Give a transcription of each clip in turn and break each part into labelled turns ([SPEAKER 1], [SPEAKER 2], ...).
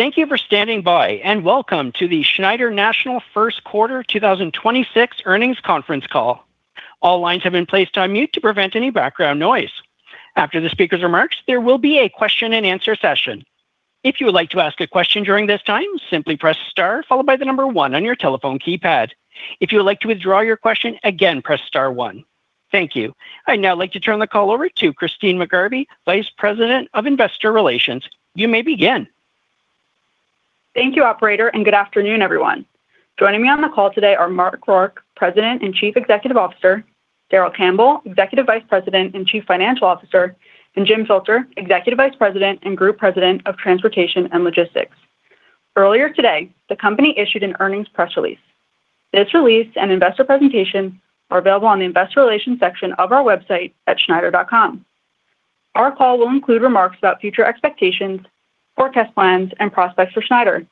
[SPEAKER 1] Thank you. I'd now like to turn the call over to Christyne McGarvey, Vice President of Investor Relations. You may begin.
[SPEAKER 2] Thank you, Operator, and good afternoon, everyone. Joining me on the call today are Mark Rourke, President and Chief Executive Officer, Darrell Campbell, Executive Vice President and Chief Financial Officer, and Jim Filter, Executive Vice President and Group President of Transportation and Logistics. Earlier today, the company issued an earnings press release. This release and investor presentation are available on the Investor Relations section of our website at schneider.com. Our call will include remarks about future expectations, forecast plans, and prospects for Schneider.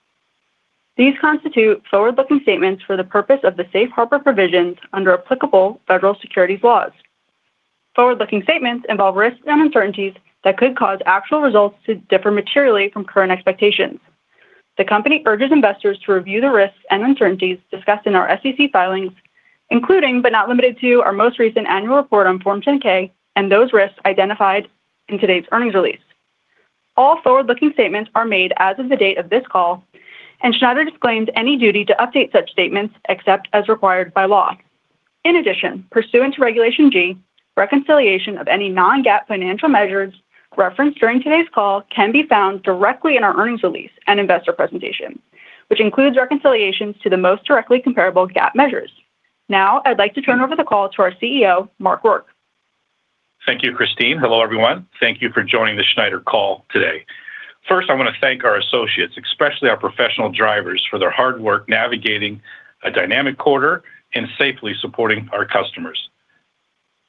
[SPEAKER 2] These constitute forward-looking statements for the purpose of the safe harbor provisions under applicable federal securities laws. Forward-looking statements involve risks and uncertainties that could cause actual results to differ materially from current expectations. The company urges investors to review the risks and uncertainties discussed in our SEC filings, including, but not limited to, our most recent annual report on Form 10-K and those risks identified in today's earnings release. All forward-looking statements are made as of the date of this call, and Schneider disclaims any duty to update such statements except as required by law. Pursuant to Regulation G, reconciliation of any non-GAAP financial measures referenced during today's call can be found directly in our earnings release and investor presentation, which includes reconciliations to the most directly comparable GAAP measures. I'd like to turn over the call to our CEO, Mark Rourke.
[SPEAKER 3] Thank you, Christyne. Hello, everyone. Thank you for joining the Schneider call today. First, I want to thank our associates, especially our professional drivers, for their hard work navigating a dynamic quarter and safely supporting our customers.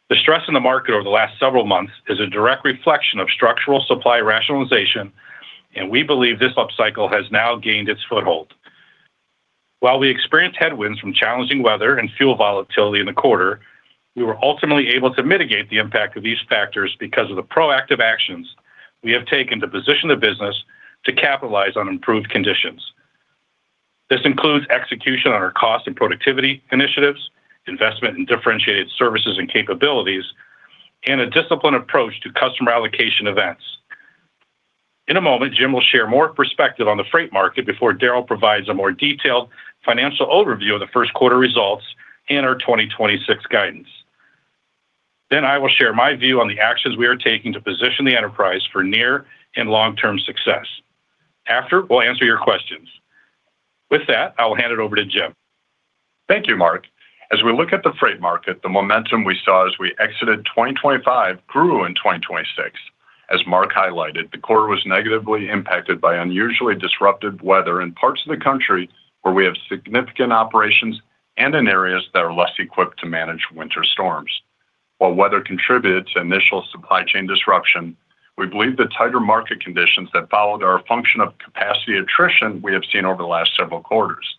[SPEAKER 3] The stress in the market over the last several months is a direct reflection of structural supply rationalization. We believe this upcycle has now gained its foothold. While we experienced headwinds from challenging weather and fuel volatility in the quarter, we were ultimately able to mitigate the impact of these factors because of the proactive actions we have taken to position the business to capitalize on improved conditions. This includes execution on our cost and productivity initiatives, investment in differentiated services and capabilities, and a disciplined approach to customer allocation events. In a moment, Jim will share more perspective on the freight market before Darrell provides a more detailed financial overview of the first quarter results and our 2026 guidance. I will share my view on the actions we are taking to position the enterprise for near and long-term success. After, we'll answer your questions. With that, I will hand it over to Jim.
[SPEAKER 4] Thank you, Mark. As we look at the freight market, the momentum we saw as we exited 2025 grew in 2026. As Mark highlighted, the quarter was negatively impacted by unusually disruptive weather in parts of the country where we have significant operations and in areas that are less equipped to manage winter storms. While weather contributes to initial supply chain disruption, we believe the tighter market conditions that followed are a function of capacity attrition we have seen over the last several quarters.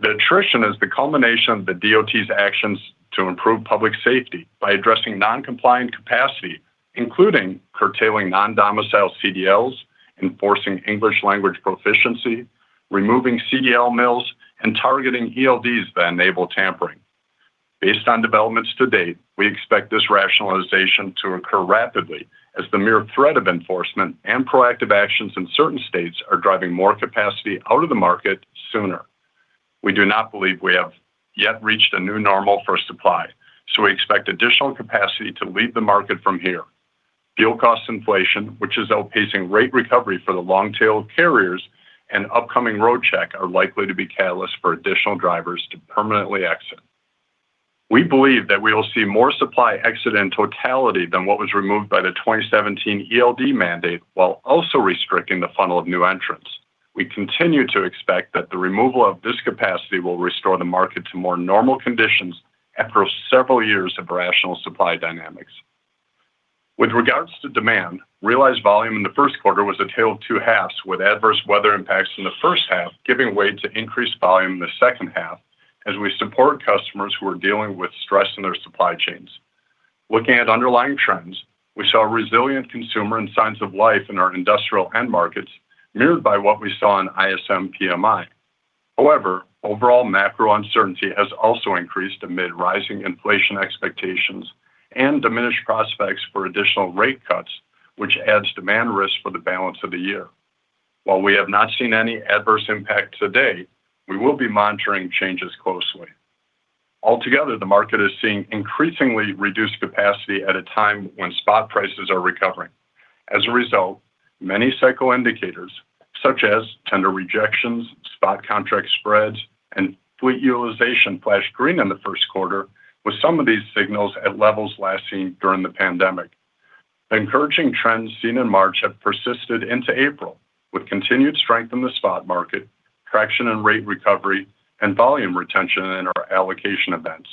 [SPEAKER 4] The attrition is the culmination of the DOT's actions to improve public safety by addressing non-compliant capacity, including curtailing non-domicile CDLs, enforcing English language proficiency, removing CDL mills, and targeting ELDs that enable tampering. Based on developments to date, we expect this rationalization to occur rapidly as the mere threat of enforcement and proactive actions in certain states are driving more capacity out of the market sooner. We do not believe we have yet reached a new normal for supply, so we expect additional capacity to leave the market from here. Fuel cost inflation, which is outpacing rate recovery for the long tail of carriers and upcoming Roadcheck are likely to be catalysts for additional drivers to permanently exit. We believe that we will see more supply exit in totality than what was removed by the 2017 ELD mandate, while also restricting the funnel of new entrants. We continue to expect that the removal of this capacity will restore the market to more normal conditions after several years of irrational supply dynamics. With regards to demand, realized volume in the first quarter was a tale of two halves, with adverse weather impacts in the first half giving way to increased volume in the second half as we support customers who are dealing with stress in their supply chains. Looking at underlying trends, we saw a resilient consumer and signs of life in our industrial end markets, mirrored by what we saw in ISM PMI. Overall macro uncertainty has also increased amid rising inflation expectations and diminished prospects for additional rate cuts, which adds demand risk for the balance of the year. While we have not seen any adverse impact to date, we will be monitoring changes closely. Altogether, the market is seeing increasingly reduced capacity at a time when spot prices are recovering. As a result, many cycle indicators, such as tender rejections, spot contract spreads, and fleet utilization, flashed green in the first quarter with some of these signals at levels last seen during the pandemic. The encouraging trends seen in March have persisted into April, with continued strength in the spot market, traction in rate recovery, and volume retention in our allocation events,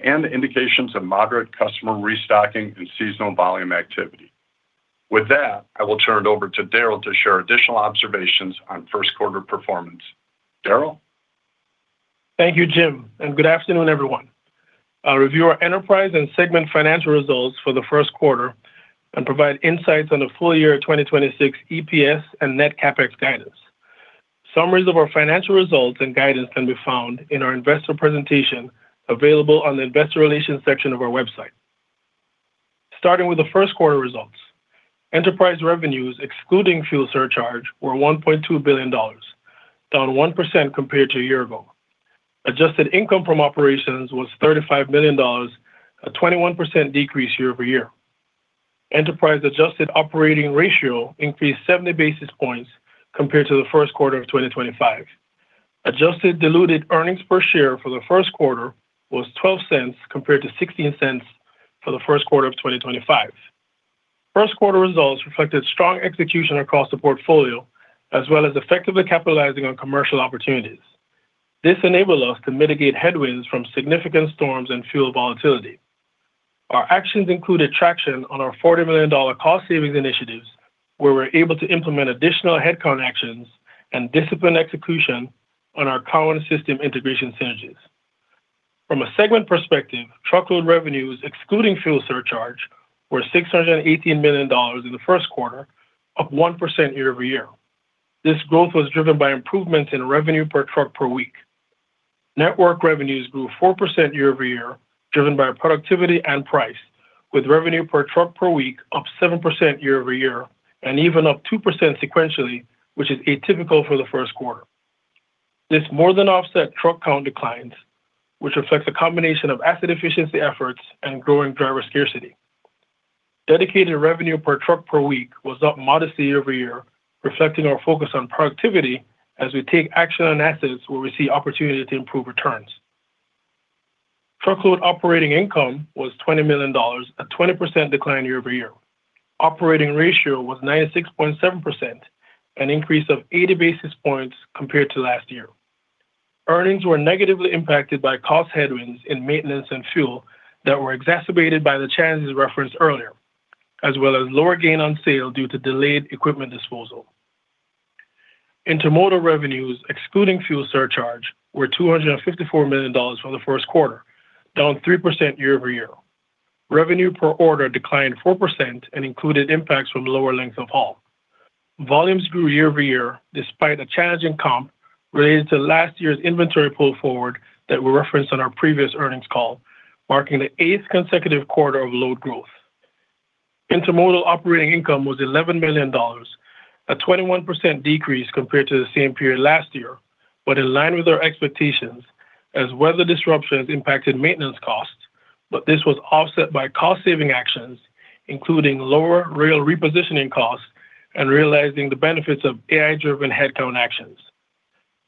[SPEAKER 4] and indications of moderate customer restocking and seasonal volume activity. With that, I will turn it over to Darrell to share additional observations on first quarter performance. Darrell?
[SPEAKER 5] Thank you, Jim, and good afternoon, everyone. I'll review our enterprise and segment financial results for the first quarter and provide insights on the full year 2026 EPS and net CapEx guidance. Summaries of our financial results and guidance can be found in our investor presentation available on the investor relations section of our website. Starting with the first quarter results, enterprise revenues, excluding fuel surcharge, were $1.2 billion, down 1% compared to a year ago. Adjusted income from operations was $35 million, a 21% decrease year over year. Enterprise adjusted operating ratio increased 70 basis points compared to the first quarter of 2025. Adjusted diluted earnings per share for the first quarter was $0.12 compared to $0.16 for the first quarter of 2025. First quarter results reflected strong execution across the portfolio as well as effectively capitalizing on commercial opportunities. This enabled us to mitigate headwinds from significant storms and fuel volatility. Our actions included traction on our $40 million cost savings initiatives, where we're able to implement additional headcount actions and discipline execution on our current system integration synergies. From a segment perspective, Truckload revenues, excluding fuel surcharge, were $618 million in the first quarter, up 1% year-over-year. This growth was driven by improvements in revenue per truck per week. Network revenues grew 4% year-over-year, driven by productivity and price, with revenue per truck per week up 7% year-over-year and even up 2% sequentially, which is atypical for the first quarter. This more than offset truck count declines, which reflects a combination of asset efficiency efforts and growing driver scarcity. Dedicated revenue per truck per week was up modestly year-over-year, reflecting our focus on productivity as we take action on assets where we see opportunity to improve returns. Truckload operating income was $20 million, a 20% decline year-over-year. Operating ratio was 96.7%, an increase of 80 basis points compared to last year. Earnings were negatively impacted by cost headwinds in maintenance and fuel that were exacerbated by the challenges referenced earlier, as well as lower gain on sale due to delayed equipment disposal. Intermodal revenues, excluding fuel surcharge, were $254 million for the first quarter, down 3% year-over-year. Revenue per order declined 4% and included impacts from lower length of haul. Volumes grew year-over-year despite a challenging comp related to last year's inventory pull forward that we referenced on our previous earnings call, marking the eighth consecutive quarter of load growth. Intermodal operating income was $11 million, a 21% decrease compared to the same period last year. In line with our expectations as weather disruptions impacted maintenance costs, this was offset by cost-saving actions, including lower rail repositioning costs and realizing the benefits of AI-driven headcount actions.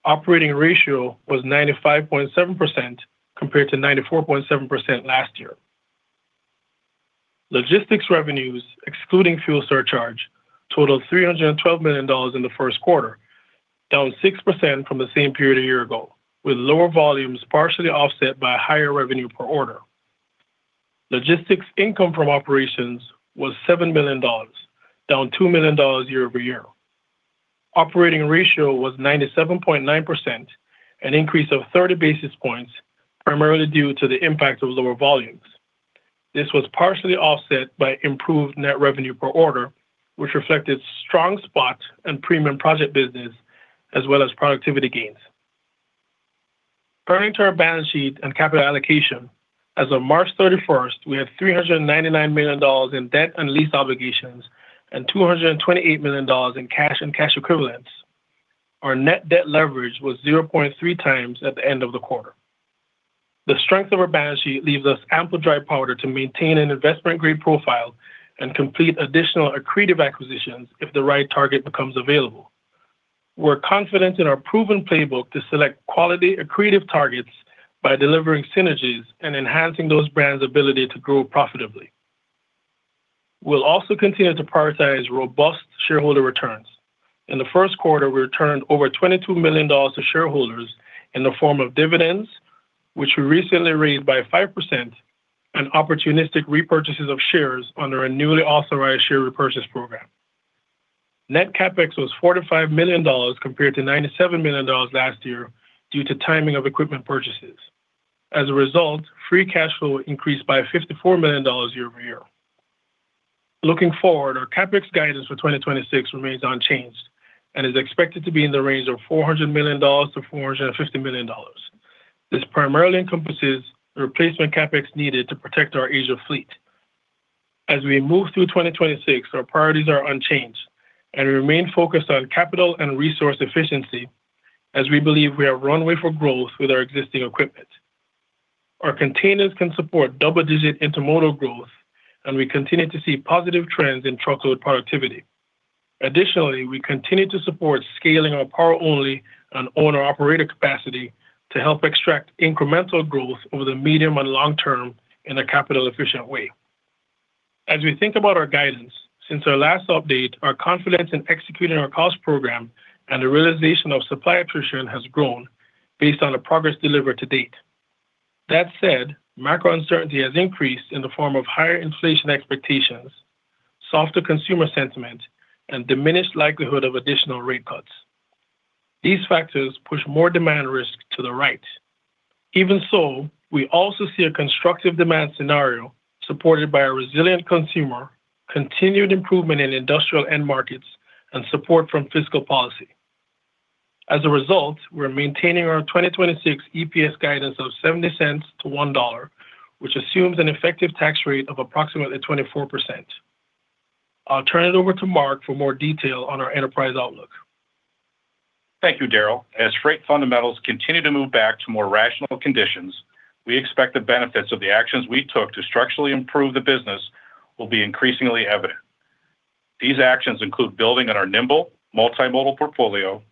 [SPEAKER 5] Operating ratio was 95.7% compared to 94.7% last year. Logistics revenues, excluding fuel surcharge, totaled $312 million in the first quarter, down 6% from the same period a year ago, with lower volumes partially offset by higher revenue per order. Logistics income from operations was $7 million, down $2 million year-over-year. Operating ratio was 97.9%, an increase of 30 basis points, primarily due to the impact of lower volumes. This was partially offset by improved net revenue per order, which reflected strong spot and premium project business as well as productivity gains. Turning to our balance sheet and capital allocation, as of March 31st, we had $399 million in debt and lease obligations and $228 million in cash and cash equivalents. Our net debt leverage was 0.3 times at the end of the quarter. The strength of our balance sheet leaves us ample dry powder to maintain an investment-grade profile and complete additional accretive acquisitions if the right target becomes available. We're confident in our proven playbook to select quality, accretive targets by delivering synergies and enhancing those brands' ability to grow profitably. We'll also continue to prioritize robust shareholder returns. In the first quarter, we returned over $22 million to shareholders in the form of dividends, which we recently raised by 5% on opportunistic repurchases of shares under a newly authorized share repurchase program. Net CapEx was $45 million compared to $97 million last year due to timing of equipment purchases. As a result, free cash flow increased by $54 million year-over-year. Looking forward, our CapEx guidance for 2026 remains unchanged and is expected to be in the range of $400 million-$450 million. This primarily encompasses the replacement CapEx needed to protect our age of fleet. As we move through 2026, our priorities are unchanged, and we remain focused on capital and resource efficiency as we believe we have runway for growth with our existing equipment. Our containers can support double-digit Intermodal growth, we continue to see positive trends in Truckload productivity. Additionally, we continue to support scaling our power-only and owner operator capacity to help extract incremental growth over the medium and long term in a capital efficient way. As we think about our guidance, since our last update, our confidence in executing our cost program and the realization of supply attrition has grown based on the progress delivered to date. That said, macro uncertainty has increased in the form of higher inflation expectations, softer consumer sentiment, and diminished likelihood of additional rate cuts. These factors push more demand risk to the right. Even so, we also see a constructive demand scenario supported by a resilient consumer, continued improvement in industrial end markets, and support from fiscal policy. As a result, we're maintaining our 2026 EPS guidance of $0.70 to $1.00, which assumes an effective tax rate of approximately 24%. I'll turn it over to Mark for more detail on our enterprise outlook.
[SPEAKER 3] Thank you, Darrell. As freight fundamentals continue to move back to more rational conditions, we expect the benefits of the actions we took to structurally improve the business will be increasingly evident. These actions include building on our nimble, multimodal portfolio,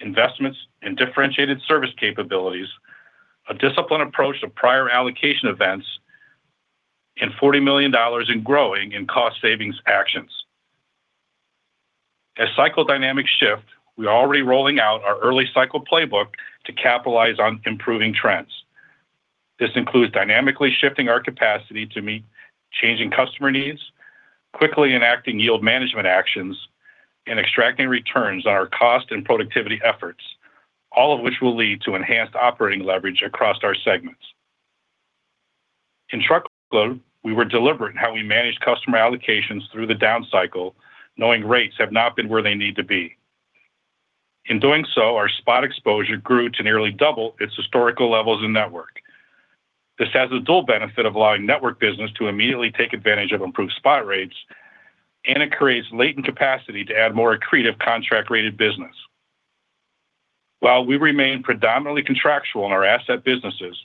[SPEAKER 3] investments in differentiated service capabilities, a disciplined approach to prior allocation events, and $40 million in growing and cost savings actions. As cycle dynamics shift, we are already rolling out our early cycle playbook to capitalize on improving trends. This includes dynamically shifting our capacity to meet changing customer needs, quickly enacting yield management actions, and extracting returns on our cost and productivity efforts, all of which will lead to enhanced operating leverage across our segments. In Truckload, we were deliberate in how we managed customer allocations through the down cycle, knowing rates have not been where they need to be. In doing so, our spot exposure grew to nearly double its historical levels in Network. This has the dual benefit of allowing Network business to immediately take advantage of improved spot rates. It creates latent capacity to add more accretive contract-rated business. While we remain predominantly contractual in our asset businesses,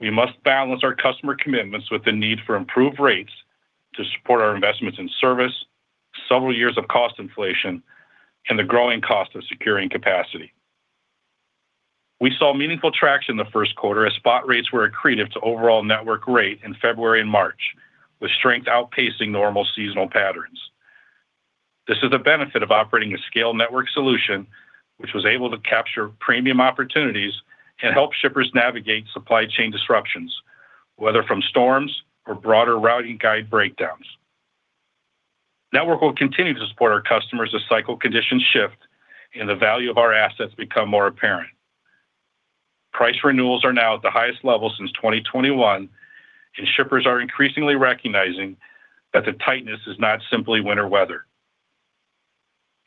[SPEAKER 3] we must balance our customer commitments with the need for improved rates to support our investments in service, several years of cost inflation, and the growing cost of securing capacity. We saw meaningful traction in the first quarter as spot rates were accretive to overall Network rate in February and March, with strength outpacing normal seasonal patterns. This is the benefit of operating a scale Network solution, which was able to capture premium opportunities and help shippers navigate supply chain disruptions, whether from storms or broader routing guide breakdowns. Network will continue to support our customers as cycle conditions shift and the value of our assets become more apparent. Price renewals are now at the highest level since 2021. Shippers are increasingly recognizing that the tightness is not simply winter weather.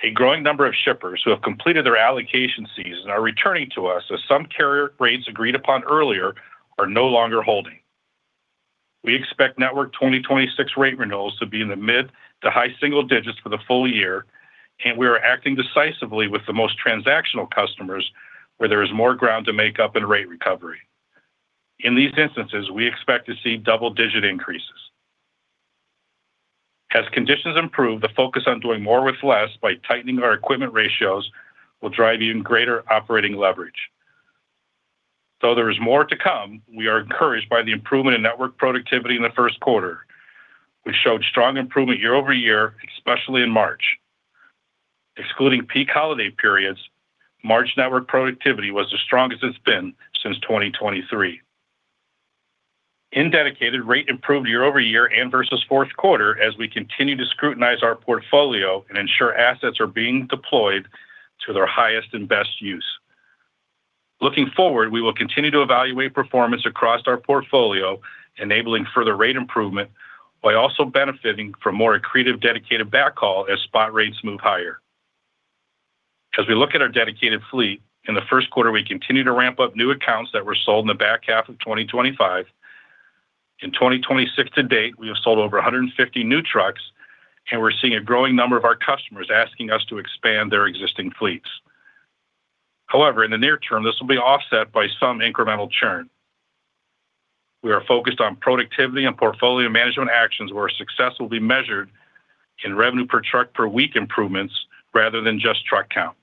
[SPEAKER 3] A growing number of shippers who have completed their allocation season are returning to us as some carrier rates agreed upon earlier are no longer holding. We expect Network 2026 rate renewals to be in the mid to high single digits for the full year. We are acting decisively with the most transactional customers where there is more ground to make up in rate recovery. In these instances, we expect to see double-digit increases. As conditions improve, the focus on doing more with less by tightening our equipment ratios will drive even greater operating leverage. Though there is more to come, we are encouraged by the improvement in Network productivity in the first quarter. We showed strong improvement year over year, especially in March. Excluding peak holiday periods, March Network productivity was the strongest it's been since 2023. In Dedicated, rate improved year over year and versus fourth quarter as we continue to scrutinize our portfolio and ensure assets are being deployed to their highest and best use. Looking forward, we will continue to evaluate performance across our portfolio, enabling further rate improvement while also benefiting from more accretive Dedicated backhaul as spot rates move higher. As we look at our Dedicated fleet, in the first quarter, we continue to ramp up new accounts that were sold in the back half of 2025. In 2026 to date, we have sold over 150 new trucks, and we're seeing a growing number of our customers asking us to expand their existing fleets. In the near term, this will be offset by some incremental churn. We are focused on productivity and portfolio management actions where success will be measured in revenue per truck per week improvements rather than just truck count.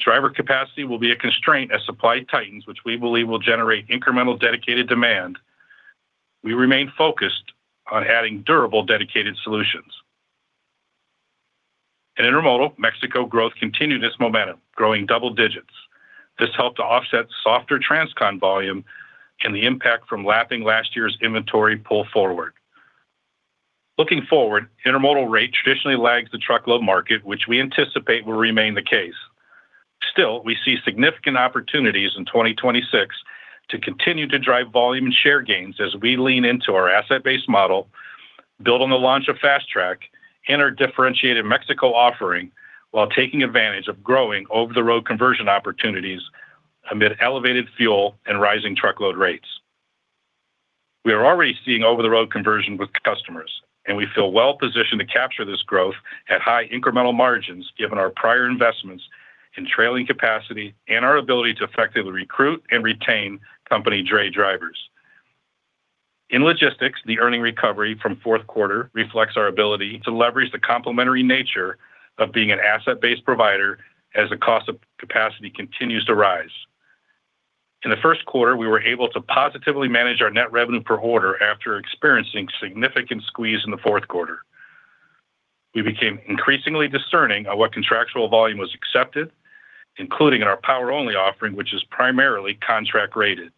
[SPEAKER 3] Driver capacity will be a constraint as supply tightens, which we believe will generate incremental Dedicated demand. We remain focused on adding durable, Dedicated Solutions. In Intermodal, Mexico growth continued its momentum, growing double digits. This helped to offset softer Transcon volume and the impact from lapping last year's inventory pull forward. Looking forward, Intermodal rate traditionally lags the Truckload market, which we anticipate will remain the case. We see significant opportunities in 2026 to continue to drive volume and share gains as we lean into our asset-based model, build on the launch of Fast Track, and our differentiated Mexico offering, while taking advantage of growing over-the-road conversion opportunities amid elevated fuel and rising Truckload rates. We are already seeing over-the-road conversion with customers, and we feel well positioned to capture this growth at high incremental margins, given our prior investments in trailing capacity and our ability to effectively recruit and retain company dray drivers. In Logistics, the earning recovery from fourth quarter reflects our ability to leverage the complementary nature of being an asset-based provider as the cost of capacity continues to rise. In the first quarter, we were able to positively manage our net revenue per order after experiencing significant squeeze in the fourth quarter. We became increasingly discerning on what contractual volume was accepted, including in our power-only offering, which is primarily contract-rated.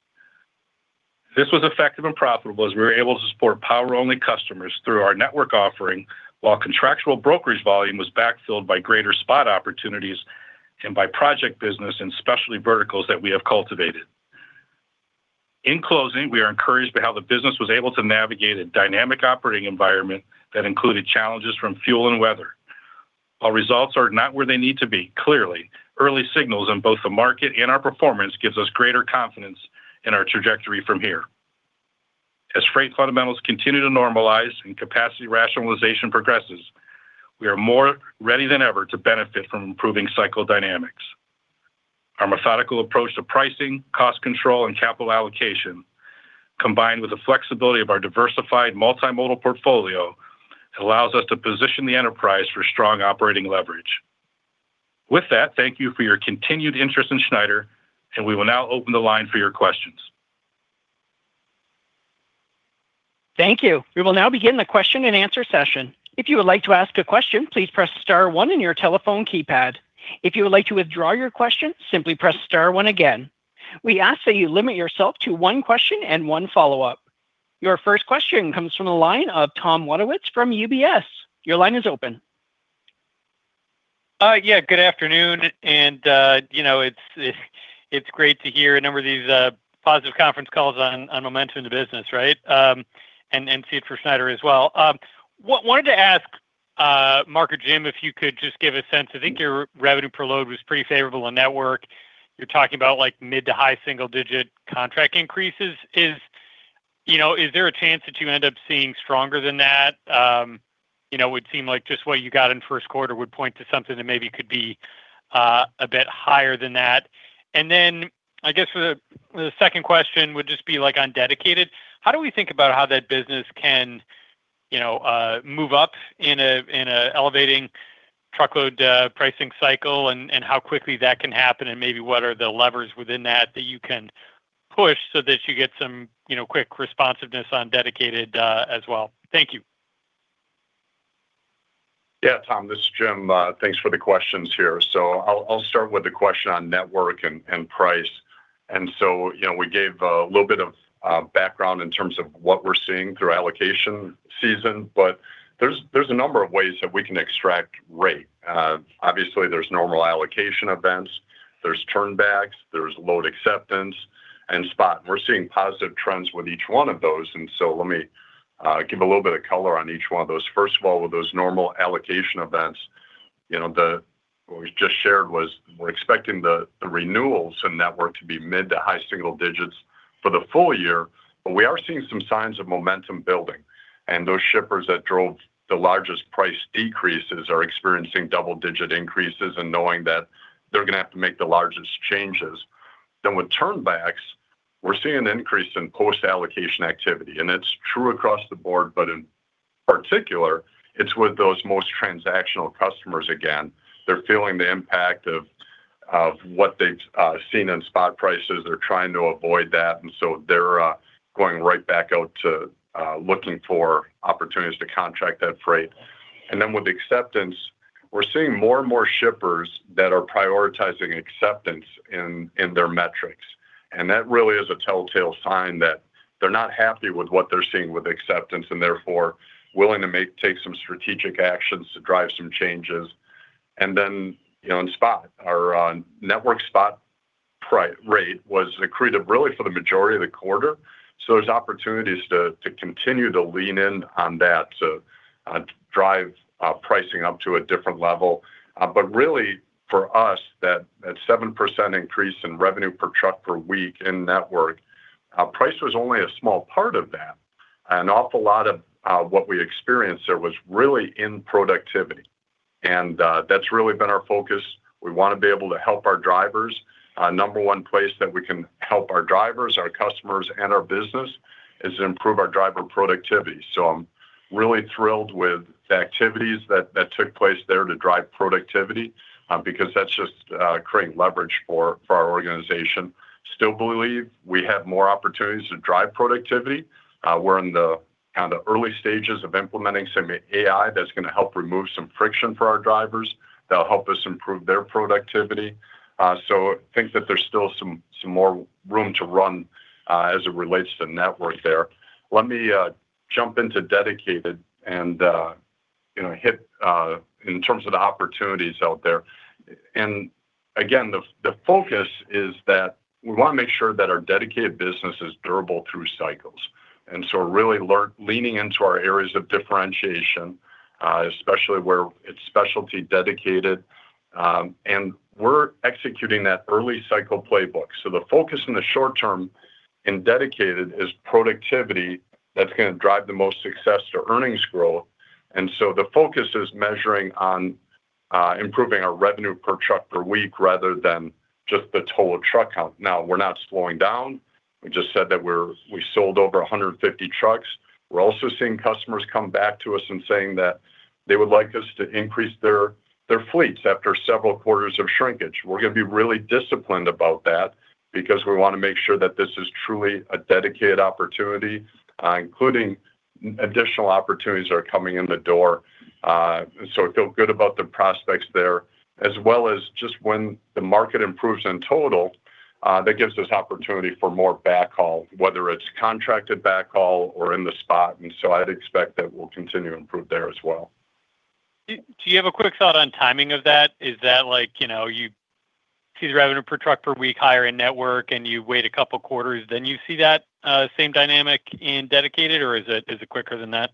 [SPEAKER 3] This was effective and profitable as we were able to support power-only customers through our Network offering, while contractual brokerage volume was backfilled by greater spot opportunities and by project business and specialty verticals that we have cultivated. In closing, we are encouraged by how the business was able to navigate a dynamic operating environment that included challenges from fuel and weather. Results are not where they need to be, clearly, early signals on both the market and our performance gives us greater confidence in our trajectory from here. Freight fundamentals continue to normalize and capacity rationalization progresses, we are more ready than ever to benefit from improving cycle dynamics. Our methodical approach to pricing, cost control, and capital allocation, combined with the flexibility of our diversified multimodal portfolio, allows us to position the enterprise for strong operating leverage. With that, thank you for your continued interest in Schneider, and we will now open the line for your questions.
[SPEAKER 1] Thank you. We will now begin the question and answer session. If you would like to ask a question, please press star one on your telephone keypad. If you would like to withdraw your question, simply press star one again. We ask that you limit yourself to one question and one follow-up. Your first question comes from the line of Thomas Wadewitz from UBS. Your line is open.
[SPEAKER 6] Yeah, good afternoon. You know, it's, it's great to hear a number of these positive conference calls on momentum in the business, right? See it for Schneider as well. Wanted to ask Mark or Jim, if you could just give a sense. I think your revenue per load was pretty favorable on Network. You're talking about like mid-to-high single-digit contract increases. Is, you know, is there a chance that you end up seeing stronger than that? You know, it would seem like just what you got in first quarter would point to something that maybe could be a bit higher than that. Then I guess the second question would just be like on Dedicated. How do we think about how that business can, you know, move up in a, in a elevating Truckload pricing cycle and how quickly that can happen and maybe what are the levers within that that you can push so that you get some, you know, quick responsiveness on Dedicated as well? Thank you.
[SPEAKER 4] Tom, this is Jim Filter. Thanks for the questions here. I'll start with the question on Network and price. You know, we gave a little bit of background in terms of what we're seeing through allocation season, but there's a number of ways that we can extract rate. Obviously, there's normal allocation events. There's turnbacks, there's load acceptance, and spot. We're seeing positive trends with each one of those. Let me give a little bit of color on each one of those. First of all, with those normal allocation events, you know, what we just shared was we're expecting the renewals in Network to be mid to high single digits for the full year, but we are seeing some signs of momentum building. Those shippers that drove the largest price decreases are experiencing double-digit increases and knowing that they're going to have to make the largest changes. With turnbacks, we're seeing an increase in post-allocation activity, and it's true across the board, but in particular, it's with those most transactional customers again. They're feeling the impact of what they've seen in spot prices. They're trying to avoid that. They're going right back out to looking for opportunities to contract that freight. With acceptance, we're seeing more and more shippers that are prioritizing acceptance in their metrics. That really is a telltale sign that they're not happy with what they're seeing with acceptance and therefore willing to take some strategic actions to drive some changes. You know, in spot, our Network spot rate was accretive really for the majority of the quarter. There's opportunities to continue to lean in on that to drive pricing up to a different level. Really for us, that 7% increase in revenue per truck per week in Network price was only a small part of that. An awful lot of what we experienced there was really in productivity. That's really been our focus. We want to be able to help our drivers. Number 1 place that we can help our drivers, our customers, and our business is to improve our driver productivity. I'm really thrilled with the activities that took place there to drive productivity, because that's just creating leverage for our organization. Still believe we have more opportunities to drive productivity. We're in the kind of early stages of implementing some AI that's going to help remove some friction for our drivers. That'll help us improve their productivity. Think that there's still some more room to run as it relates to Network there. Let me jump into Dedicated and, you know, hit in terms of the opportunities out there. Again, the focus is that we want to make sure that our Dedicated business is durable through cycles. We're really leaning into our areas of differentiation, especially where it's specialty dedicated. We're executing that early cycle playbook. The focus in the short term in Dedicated is productivity that's going to drive the most success to earnings growth. The focus is measuring on improving our revenue per truck per week rather than just the total truck count. Now, we're not slowing down. We just said that we sold over 150 trucks. We're also seeing customers come back to us and saying that they would like us to increase their fleets after several quarters of shrinkage. We're gonna be really disciplined about that because we want to make sure that this is truly a dedicated opportunity, including additional opportunities that are coming in the door. I feel good about the prospects there, as well as just when the market improves in total, that gives us opportunity for more backhaul, whether it's contracted backhaul or in the spot. I'd expect that we'll continue to improve there as well.
[SPEAKER 6] Do you have a quick thought on timing of that? Is that like, you know, you see the revenue per truck per week higher in Network, and you wait a couple quarters, then you see that same dynamic in Dedicated, or is it quicker than that?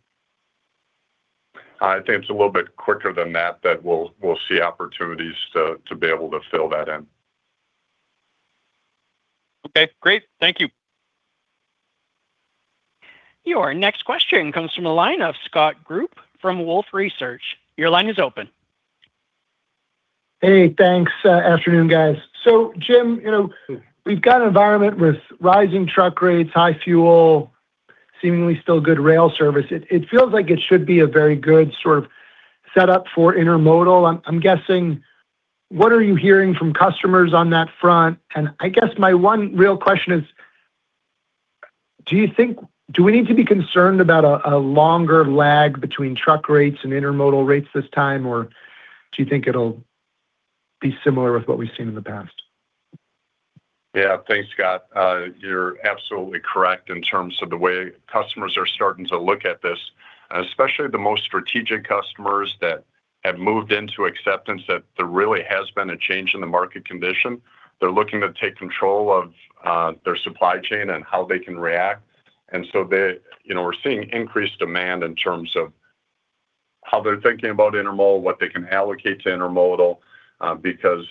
[SPEAKER 4] I think it's a little bit quicker than that we'll see opportunities to be able to fill that in.
[SPEAKER 6] Okay, great. Thank you.
[SPEAKER 1] Your next question comes from the line of Scott Group from Wolfe Research. Your line is open.
[SPEAKER 7] Hey, thanks. Afternoon, guys. Jim, you know, we've got an environment with rising truck rates, high fuel, seemingly still good rail service. It, it feels like it should be a very good sort of setup for Intermodal. I'm guessing, what are you hearing from customers on that front? I guess my one real question is, do we need to be concerned about a longer lag between truck rates and Intermodal rates this time, or do you think it'll be similar with what we've seen in the past?
[SPEAKER 4] Yeah. Thanks, Scott. You're absolutely correct in terms of the way customers are starting to look at this, especially the most strategic customers that have moved into acceptance that there really has been a change in the market condition. They're looking to take control of their supply chain and how they can react. They, you know, we're seeing increased demand in terms of how they're thinking about intermodal, what they can allocate to intermodal, because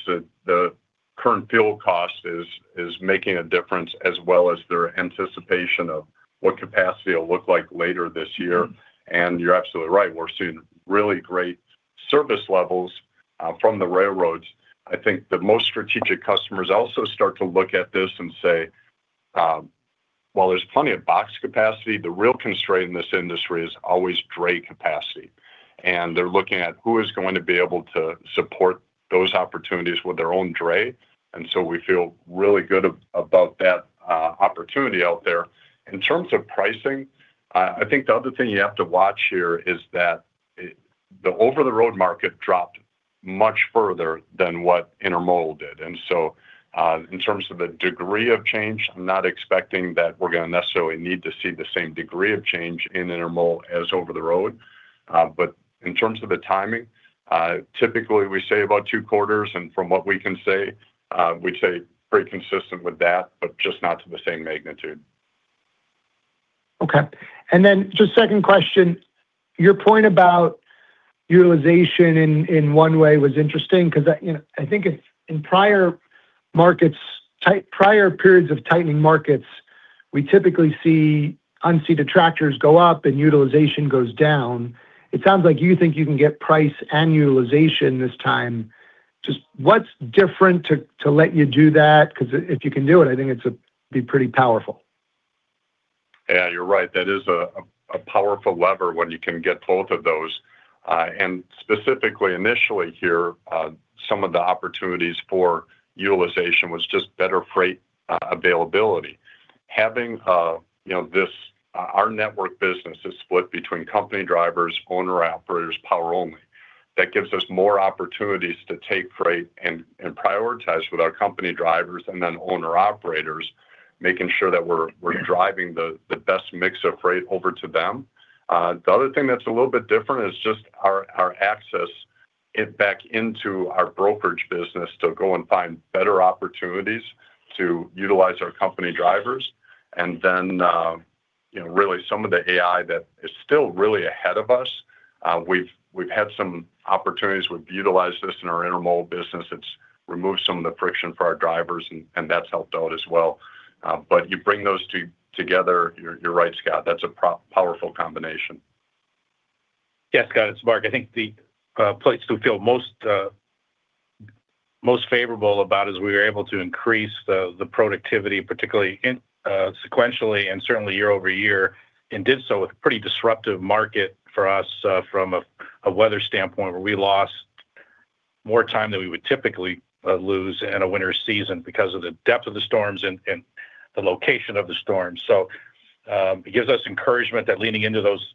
[SPEAKER 4] the current fuel cost is making a difference as well as their anticipation of what capacity will look like later this year. You're absolutely right. We're seeing really great service levels from the railroads. I think the most strategic customers also start to look at this and say, while there's plenty of box capacity, the real constraint in this industry is always dray capacity. They're looking at who is going to be able to support those opportunities with their own dray. We feel really good about that opportunity out there. In terms of pricing, I think the other thing you have to watch here is that it, the over-the-road market dropped much further than what intermodal did. In terms of the degree of change, I'm not expecting that we're gonna necessarily need to see the same degree of change in intermodal as over the road. In terms of the timing, typically we say about two quarters, and from what we can say, we'd say pretty consistent with that, but just not to the same magnitude.
[SPEAKER 7] Okay. Just second question, your point about utilization in one way was interesting because, you know, I think it's in prior markets, prior periods of tightening markets, we typically see unseated tractors go up and utilization goes down. It sounds like you think you can get price and utilization this time. Just what's different to let you do that? 'Cause if you can do it, I think it's be pretty powerful.
[SPEAKER 4] Yeah, you're right. That is a powerful lever when you can get both of those. Specifically initially here, some of the opportunities for utilization was just better freight availability. Having, you know, this, our Network business is split between company drivers, owner-operators, power-only. That gives us more opportunities to take freight and prioritize with our company drivers and then owner-operators, making sure that we're driving the best mix of freight over to them. The other thing that's a little bit different is just our access back into our brokerage business to go and find better opportunities to utilize our company drivers. Then, you know, really some of the AI that is still really ahead of us, we've had some opportunities. We've utilized this in our Intermodal business. It's removed some of the friction for our drivers, and that's helped out as well. You bring those two together, you're right, Scott. That's a powerful combination.
[SPEAKER 3] Scott, it's Mark. I think the place to feel most favorable about is we were able to increase the productivity, particularly sequentially and certainly year-over-year, and did so with pretty disruptive market for us from a weather standpoint, where we lost more time than we would typically lose in a winter season because of the depth of the storms and the location of the storms. It gives us encouragement that leaning into those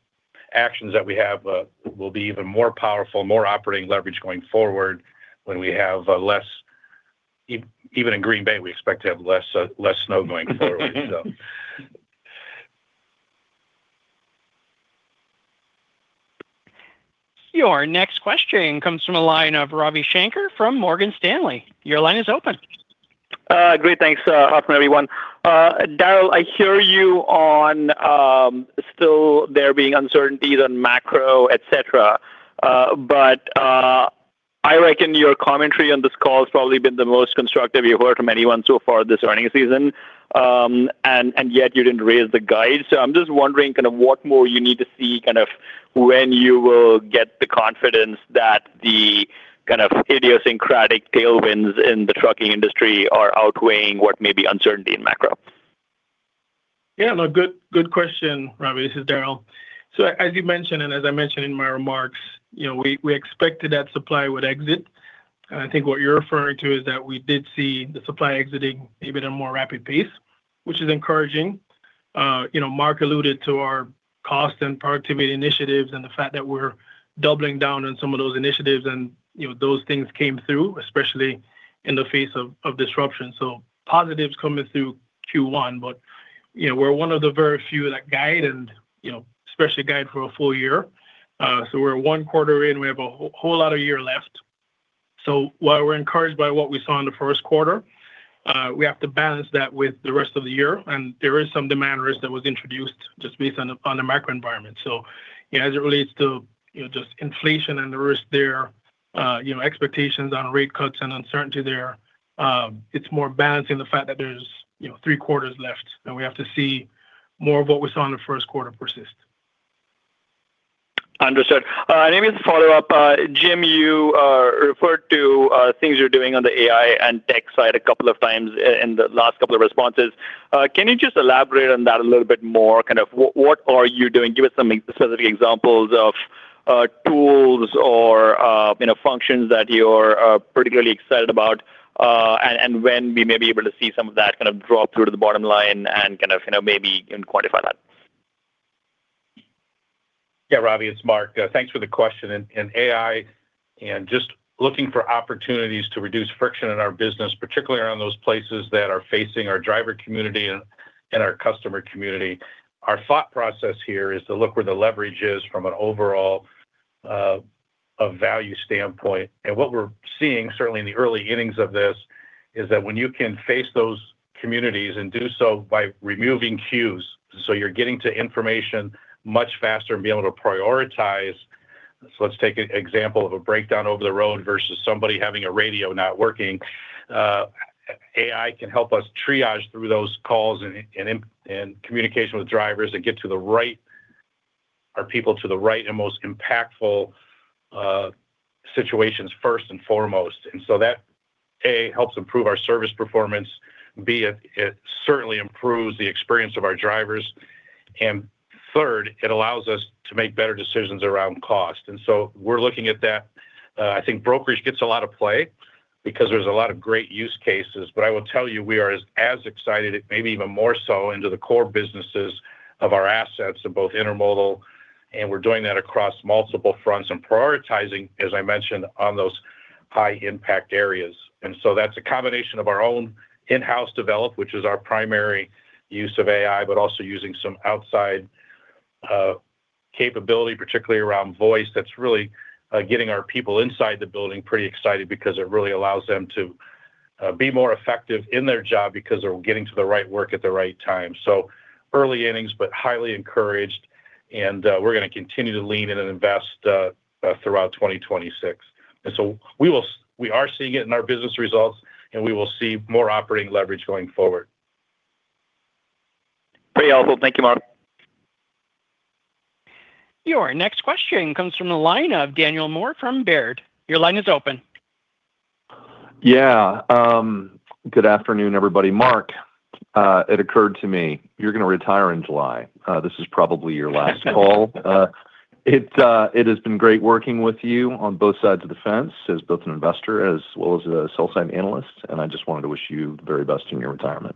[SPEAKER 3] actions that we have will be even more powerful, more operating leverage going forward when we have less. Even in Green Bay, we expect to have less snow going forward.
[SPEAKER 1] Your next question comes from a line of Ravi Shanker from Morgan Stanley. Your line is open.
[SPEAKER 8] Great, thanks. Afternoon, everyone. Darrell, I hear you on, still there being uncertainties on macro, etc. I reckon your commentary on this call has probably been the most constructive you've heard from anyone so far this earning season, yet you didn't raise the guide. I'm just wondering kind of what more you need to see, kind of when you will get the confidence that the kind of idiosyncratic tailwinds in the trucking industry are outweighing what may be uncertainty in macro.
[SPEAKER 5] Yeah, no, good question, Ravi. This is Darrell. As you mentioned, and as I mentioned in my remarks, you know, we expected that supply would exit. I think what you're referring to is that we did see the supply exiting maybe at a more rapid pace, which is encouraging. You know, Mark alluded to our cost and productivity initiatives and the fact that we're doubling down on some of those initiatives and, you know, those things came through, especially in the face of disruption. Positives coming through Q1. You know, we're one of the very few that guide and, you know, especially guide for a full year. We're one quarter in. We have a whole lot of year left. While we're encouraged by what we saw in the first quarter, we have to balance that with the rest of the year, and there is some demand risk that was introduced just based on the, on the macro environment. You know, as it relates to, you know, just inflation and the risk there, you know, expectations on rate cuts and uncertainty there, it's more balancing the fact that there's, you know, three quarters left, and we have to see more of what we saw in the first quarter persist.
[SPEAKER 8] Understood. Let me just follow up. Jim, you referred to things you're doing on the AI and tech side a couple of times in the last couple of responses. Can you just elaborate on that a little bit more? Kind of what are you doing? Give us some specific examples of tools or, you know, functions that you're particularly excited about, and when we may be able to see some of that kind of drop through to the bottom line and kind of, you know, maybe even quantify that.
[SPEAKER 3] Yeah, Ravi, it's Mark. Thanks for the question. AI and just looking for opportunities to reduce friction in our business, particularly around those places that are facing our driver community and our customer community. Our thought process here is to look where the leverage is from an overall, a value standpoint. What we're seeing, certainly in the early innings of this, is that when you can face those communities and do so by removing queues, so you're getting to information much faster and be able to prioritize. Let's take an example of a breakdown over the road versus somebody having a radio not working. AI can help us triage through those calls and communication with drivers and get our people to the right and most impactful situations first and foremost. That, A, helps improve our service performance, B, it certainly improves the experience of our drivers, and third, it allows us to make better decisions around cost. We're looking at that. I think brokerage gets a lot of play because there's a lot of great use cases. I will tell you, we are as excited, maybe even more so, into the core businesses of our assets in both Intermodal, and we're doing that across multiple fronts and prioritizing, as I mentioned, on those high-impact areas. That's a combination of our own in-house develop, which is our primary use of AI, but also using some outside capability, particularly around voice, that's really getting our people inside the building pretty excited because it really allows them to be more effective in their job because they're getting to the right work at the right time. Early innings, but highly encouraged, and we're gonna continue to lean in and invest throughout 2026. We are seeing it in our business results, and we will see more operating leverage going forward.
[SPEAKER 8] Great, y'all. Thank you, Mark.
[SPEAKER 1] Your next question comes from the line of Daniel Moore from Baird. Your line is open.
[SPEAKER 9] Yeah. Good afternoon, everybody. Mark, it occurred to me you're gonna retire in July. This is probably your last call. It has been great working with you on both sides of the fence, as both an investor as well as a sell side analyst. I just wanted to wish you the very best in your retirement.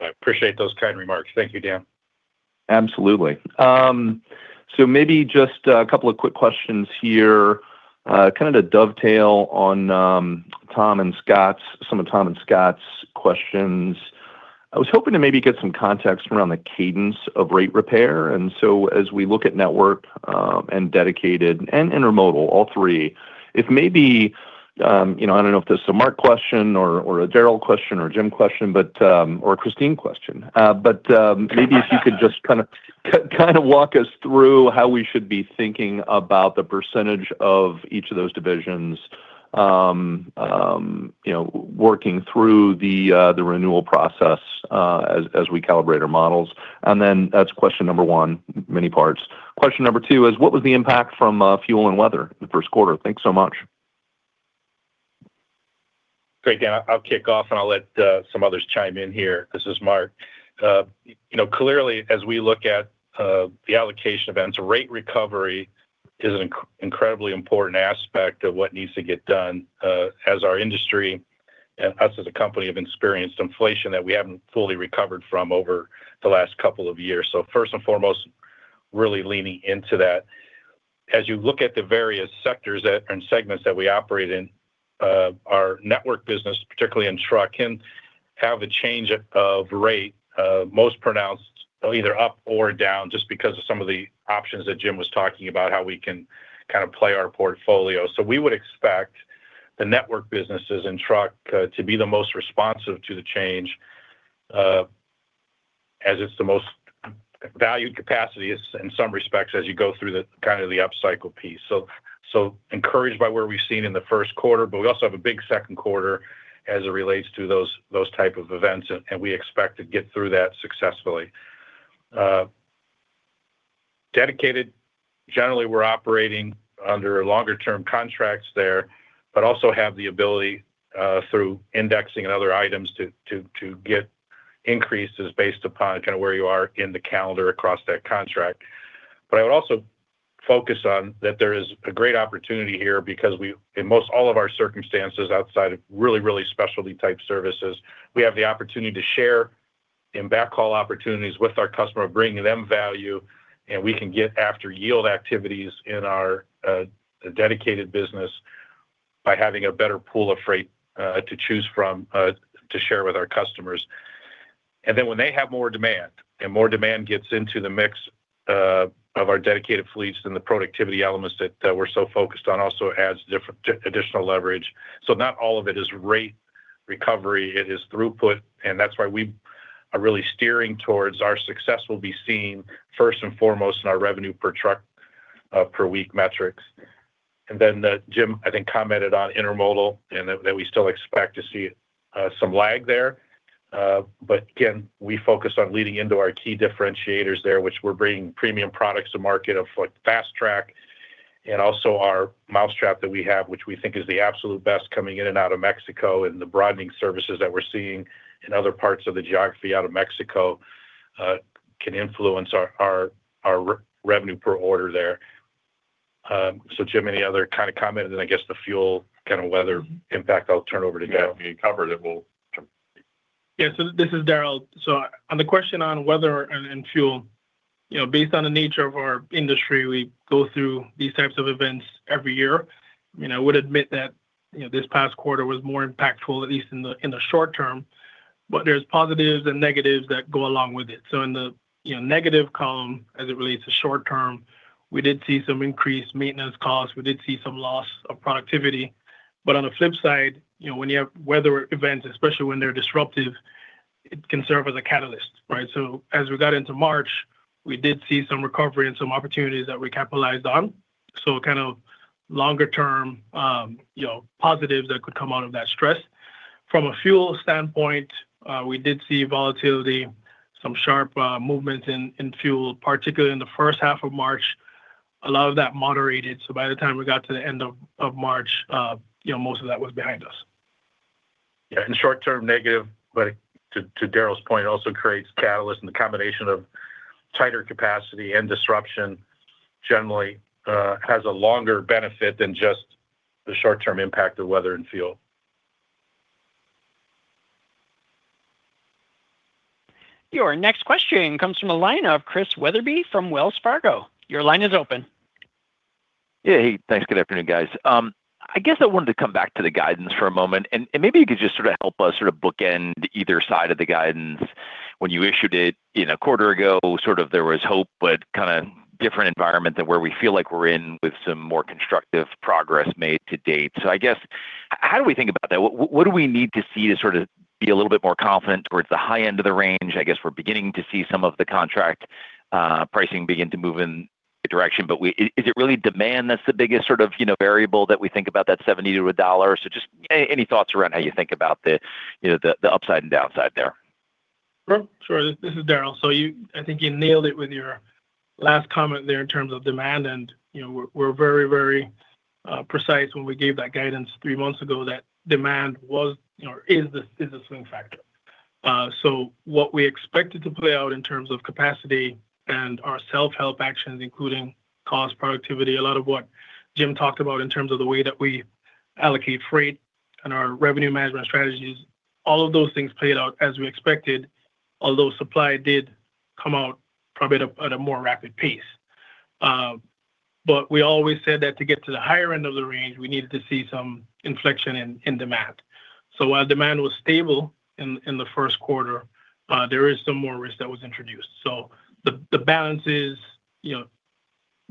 [SPEAKER 3] I appreciate those kind remarks. Thank you, Dan.
[SPEAKER 9] Absolutely. Maybe just a couple of quick questions here, kind of to dovetail on Tom and Scott's questions. I was hoping to maybe get some context around the cadence of rate repair. As we look at Network, and Dedicated and Intermodal, all three, if maybe, you know, I don't know if this is a Mark question or a Daniel question or a Jim question, but or a Christyne question. But maybe if you could just kind of walk us through how we should be thinking about the percentage of each of those divisions, you know, working through the renewal process, as we calibrate our models, that's question number one, many parts. Question number two is, what was the impact from fuel and weather in the first quarter? Thanks so much.
[SPEAKER 3] Great, Daniel. I'll kick off, and I'll let some others chime in here. This is Mark. You know, clearly, as we look at the allocation events, rate recovery is an incredibly important aspect of what needs to get done, as our industry and us as a company have experienced inflation that we haven't fully recovered from over the last couple of years. First and foremost, really leaning into that. As you look at the various sectors that, and segments that we operate in, our network business, particularly in truck, can have a change of rate, most pronounced either up or down just because of some of the options that Jim was talking about, how we can kind of play our portfolio. We would expect the Network businesses and truck to be the most responsive to the change as it's the most valued capacity in some respects as you go through the kind of the upcycle piece. Encouraged by where we've seen in the first quarter, but we also have a big second quarter as it relates to those type of events, and we expect to get through that successfully. Dedicated, generally, we're operating under longer term contracts there, but also have the ability through indexing and other items to get increases based upon kind of where you are in the calendar across that contract. I would also focus on that there is a great opportunity here because we, in most all of our circumstances outside of really, really specialty type services, we have the opportunity to share in backhaul opportunities with our customer, bringing them value, and we can get after yield activities in our Dedicated business by having a better pool of freight to choose from to share with our customers. When they have more demand, and more demand gets into the mix of our dedicated fleets than the productivity elements that we're so focused on also adds additional leverage. Not all of it is rate recovery, it is throughput, and that's why we are really steering towards our success will be seen first and foremost in our revenue per truck per week metrics. Jim Filter, I think, commented on Intermodal and that we still expect to see some lag there. Again, we focus on leading into our key differentiators there, which we're bringing premium products to market of like Fast Track and also our mousetrap that we have, which we think is the absolute best coming in and out of Mexico and the broadening services that we're seeing in other parts of the geography out of Mexico, can influence our revenue per order there. Jim Filter, any other kind of comment, then I guess the fuel kind of weather impact I'll turn over to Darrell Campbell.
[SPEAKER 4] Yeah, I think you covered it well.
[SPEAKER 5] Yeah. This is Darrell. On the question on weather and fuel, you know, based on the nature of our industry, we go through these types of events every year. You know, I would admit that, you know, this past quarter was more impactful, at least in the short term, but there's positives and negatives that go along with it. In the negative column as it relates to short term, we did see some increased maintenance costs. We did see some loss of productivity. On the flip side, you know, when you have weather events, especially when they're disruptive, it can serve as a catalyst, right? As we got into March, we did see some recovery and some opportunities that we capitalized on, so kind of longer term, you know, positives that could come out of that stress. From a fuel standpoint, we did see volatility, some sharp movements in fuel, particularly in the first half of March. A lot of that moderated, by the time we got to the end of March, you know, most of that was behind us.
[SPEAKER 3] Yeah, in the short term, negative, but to Darrell's point, also creates catalyst, and the combination of tighter capacity and disruption generally has a longer benefit than just the short term impact of weather and fuel.
[SPEAKER 1] Your next question comes from the line of Chris Wetherbee from Wells Fargo. Your line is open.
[SPEAKER 10] Yeah. Hey, thanks. Good afternoon, guys. I guess I wanted to come back to the guidance for a moment. Maybe you could just sort of help us sort of bookend either side of the guidance. When you issued it in a quarter ago, sort of there was hope, but kind of different environment than where we feel like we're in with some more constructive progress made to date. I guess, how do we think about that? What, what do we need to see to sort of be a little bit more confident towards the high end of the range? I guess we're beginning to see some of the contract pricing begin to move in a direction, but is it really demand that's the biggest sort of, you know, variable that we think about that $0.70 to $1? Just any thoughts around how you think about the, you know, the upside and downside there?
[SPEAKER 5] Sure. Sure. This is Darrell. I think you nailed it with your last comment there in terms of demand, and, you know, we're very, very precise when we gave that guidance three months ago that demand was, you know, is the swing factor. What we expected to play out in terms of capacity and our self-help actions, including cost, productivity, a lot of what Jim talked about in terms of the way that we allocate freight and our revenue management strategies, all of those things played out as we expected. Although supply did come out probably at a more rapid pace. We always said that to get to the higher end of the range, we needed to see some inflection in demand. While demand was stable in the first quarter, there is some more risk that was introduced. The balance is, you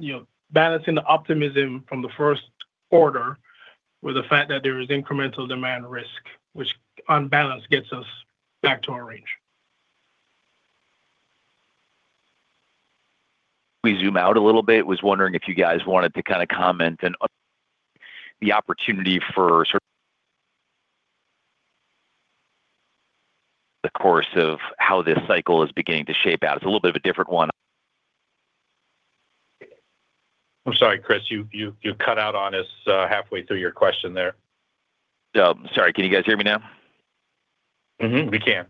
[SPEAKER 5] know, balancing the optimism from the first quarter with the fact that there is incremental demand risk, which on balance gets us back to our range.
[SPEAKER 10] We zoom out a little bit, was wondering if you guys wanted to kind of comment on the opportunity for sort of the course of how this cycle is beginning to shape out. It's a little bit of a different one.
[SPEAKER 3] I'm sorry, Chris, you cut out on us halfway through your question there.
[SPEAKER 10] Oh, sorry. Can you guys hear me now?
[SPEAKER 3] Mm-hmm. We can.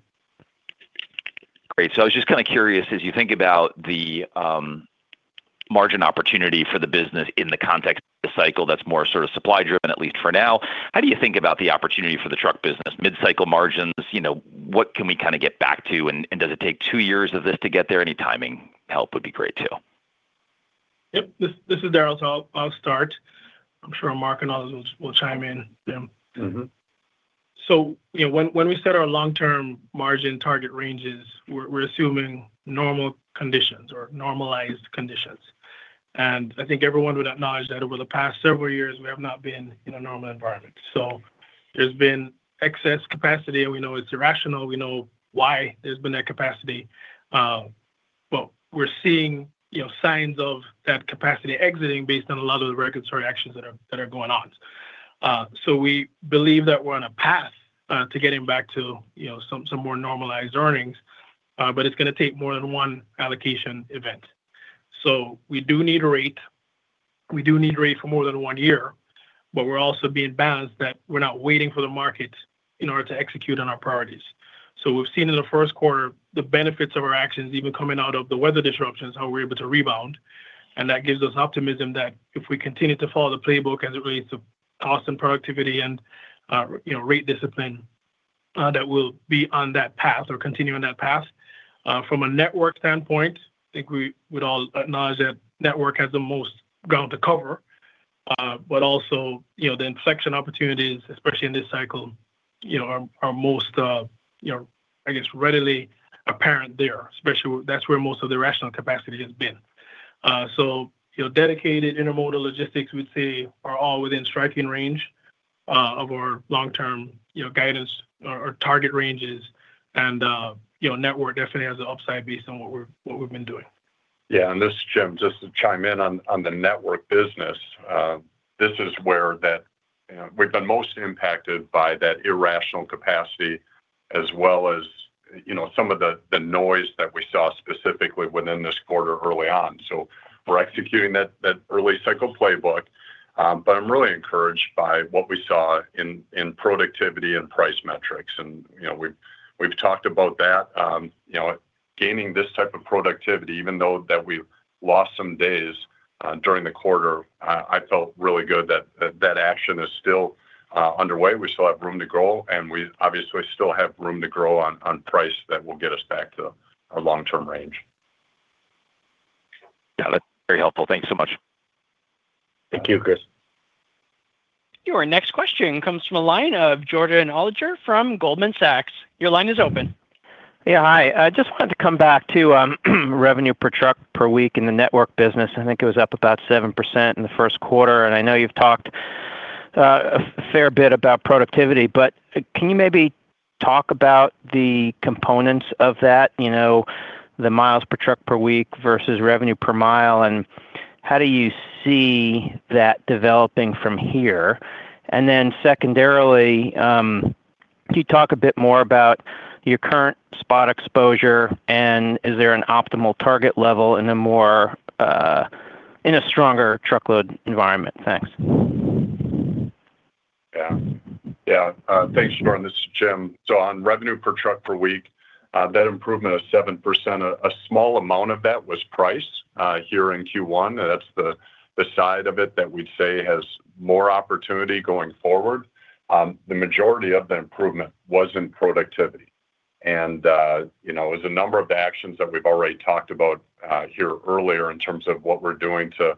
[SPEAKER 10] Great. I was just kind of curious, as you think about the margin opportunity for the business in the context of the cycle that's more sort of supply driven, at least for now, how do you think about the opportunity for the Truckload business? Mid-cycle margins, you know, what can we kind of get back to? Does it take two years of this to get there? Any timing help would be great too
[SPEAKER 5] Yep. This is Darrell. I'll start. I'm sure Mark and others will chime in. Jim.
[SPEAKER 3] Mm-hmm.
[SPEAKER 5] You know, when we set our long-term margin target ranges, we're assuming normal conditions or normalized conditions. I think everyone would acknowledge that over the past several years, we have not been in a normal environment. There's been excess capacity, and we know it's irrational. We know why there's been that capacity. We're seeing, you know, signs of that capacity exiting based on a lot of the regulatory actions that are going on. We believe that we're on a path to getting back to, you know, some more normalized earnings, but it's gonna take more than one allocation event. We do need a rate, we do need a rate for more than one year, but we're also being balanced that we're not waiting for the market in order to execute on our priorities. We've seen in the first quarter the benefits of our actions, even coming out of the weather disruptions, how we're able to rebound, and that gives us optimism that if we continue to follow the playbook as it relates to cost and productivity and, you know, rate discipline, that we'll be on that path or continue on that path. From a network standpoint, I think we would all acknowledge that network has the most ground to cover, but also, you know, the inflection opportunities, especially in this cycle, you know, are most, you know, I guess readily apparent there. That's where most of the rational capacity has been. You know, Dedicated, Intermodal, Logistics we'd say are all within striking range of our long-term, you know, guidance or target ranges and, you know, Network definitely has an upside based on what we're, what we've been doing.
[SPEAKER 4] Yeah, this is Jim Filter. Just to chime in on the Network business, this is where that, you know, we've been most impacted by that irrational capacity as well as, you know, some of the noise that we saw specifically within this quarter early on. We're executing that early cycle playbook, I'm really encouraged by what we saw in productivity and price metrics and, you know, we've talked about that. You know, gaining this type of productivity even though that we've lost some days during the quarter, I felt really good that that action is still underway. We still have room to grow, we obviously still have room to grow on price that will get us back to our long-term range.
[SPEAKER 10] Yeah, that's very helpful. Thank you so much.
[SPEAKER 5] Thank you, Chris.
[SPEAKER 1] Your next question comes from the line of Jordan Alliger from Goldman Sachs. Your line is open.
[SPEAKER 11] Yeah, hi. I just wanted to come back to revenue per truck per week in the Network business. I think it was up about 7% in the first quarter. I know you've talked a fair bit about productivity. Can you maybe talk about the components of that? You know, the miles per truck per week versus revenue per mile, how do you see that developing from here? Secondarily, could you talk a bit more about your current spot exposure? Is there an optimal target level in a more in a stronger Truckload environment? Thanks.
[SPEAKER 4] Yeah. Yeah. Thanks, Jordan. This is Jim. On revenue per truck per week, that improvement of 7%, a small amount of that was price here in Q1. That's the side of it that we'd say has more opportunity going forward. The majority of the improvement was in productivity and, you know, as a number of actions that we've already talked about here earlier in terms of what we're doing to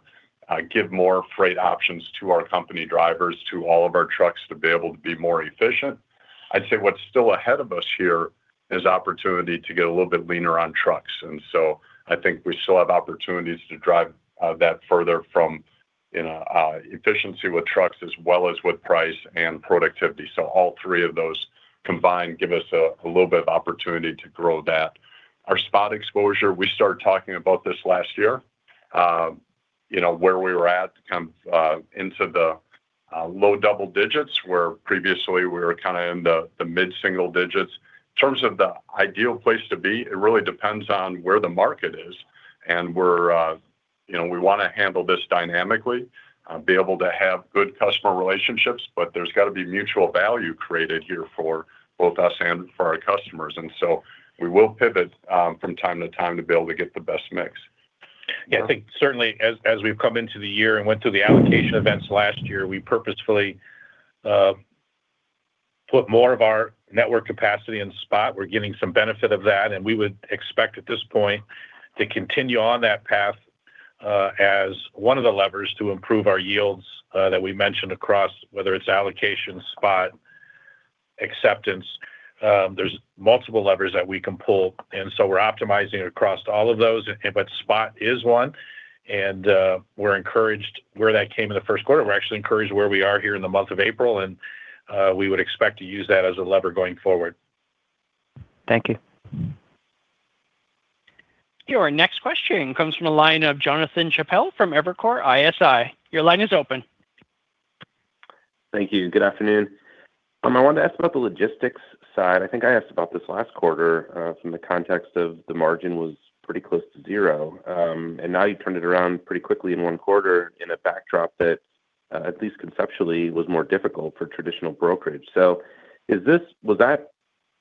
[SPEAKER 4] give more freight options to our company drivers, to all of our trucks to be able to be more efficient. I'd say what's still ahead of us here is opportunity to get a little bit leaner on trucks, I think we still have opportunities to drive that further from, you know, efficiency with trucks as well as with price and productivity. All three of those combined give us a little bit of opportunity to grow that. Our spot exposure, we started talking about this last year, you know, where we were at to come into the low double digits, where previously we were kind of in the mid-single digits. In terms of the ideal place to be, it really depends on where the market is and we're, you know, we wanna handle this dynamically, be able to have good customer relationships, but there's got to be mutual value created here for both us and for our customers. We will pivot from time to time to be able to get the best mix.
[SPEAKER 5] I think certainly as we've come into the year and went through the allocation events last year, we purposefully put more of our Network capacity in spot. We're getting some benefit of that. We would expect at this point to continue on that path as one of the levers to improve our yields that we mentioned across, whether it's allocation, spot, acceptance. There's multiple levers that we can pull. We're optimizing across all of those. spot is one. We're encouraged where that came in the first quarter. We're actually encouraged where we are here in the month of April. We would expect to use that as a lever going forward.
[SPEAKER 11] Thank you.
[SPEAKER 1] Your next question comes from the line of Jonathan Chappell from Evercore ISI. Your line is open.
[SPEAKER 12] Thank you. Good afternoon. I wanted to ask about the Logistics side. I think I asked about this last quarter, from the context of the margin was pretty close to zero, and now you've turned it around pretty quickly in 1 quarter in a backdrop that, at least conceptually was more difficult for traditional brokerage. Was that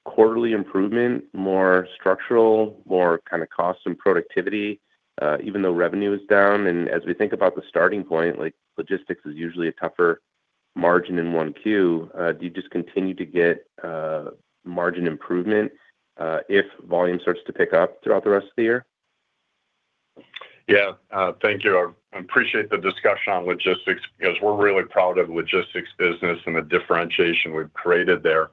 [SPEAKER 12] quarterly improvement more structural, more kind of cost and productivity, even though revenue is down? As we think about the starting point, like, Logistics is usually a tougher margin in 1Q, do you just continue to get margin improvement, if volume starts to pick up throughout the rest of the year?
[SPEAKER 4] Yeah. Thank you. I appreciate the discussion on Logistics because we're really proud of the Logistics business and the differentiation we've created there.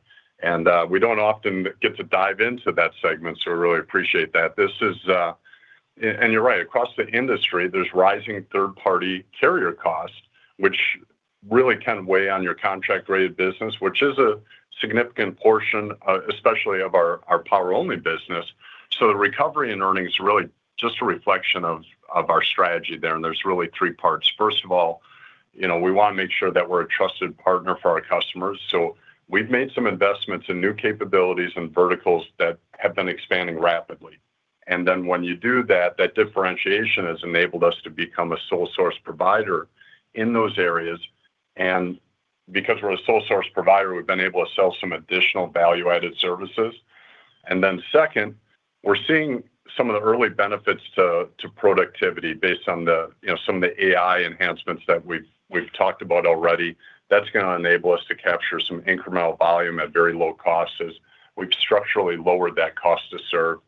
[SPEAKER 4] We don't often get to dive into that segment, so we really appreciate that. You're right. Across the industry, there's rising third-party carrier costs, which really can weigh on your contract-grade business, which is a significant portion, especially of our power-only business. The recovery and earnings is really just a reflection of our strategy there, and there's really three parts. First of all, you know, we wanna make sure that we're a trusted partner for our customers. We've made some investments in new capabilities and verticals that have been expanding rapidly. When you do that differentiation has enabled us to become a sole source provider in those areas. Because we're a sole source provider, we've been able to sell some additional value-added services. Second, we're seeing some of the early benefits to productivity based on the, you know, some of the AI enhancements that we've talked about already. That's gonna enable us to capture some incremental volume at very low cost as we've structurally lowered that cost to serve.